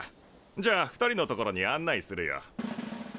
じゃあ２人の所に案内するよ。